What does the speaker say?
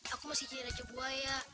aku masih jadi raja buaya